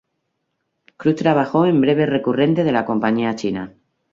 Cruz trabajó en breve recurrente de la compañía china.